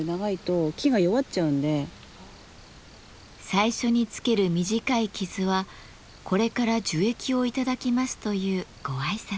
最初につける短い傷はこれから樹液を頂きますというご挨拶。